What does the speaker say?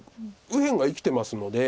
右辺が生きてますので。